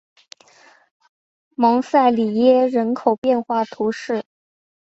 蒙塞里耶人口变化图示